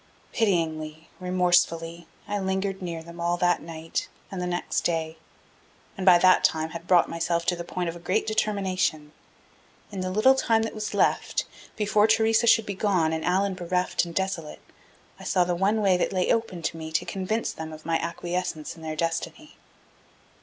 Pityingly, remorsefully, I lingered near them all that night and the next day. And by that time had brought myself to the point of a great determination. In the little time that was left, before Theresa should be gone and Allan bereft and desolate, I saw the one way that lay open to me to convince them of my acquiescence in their destiny.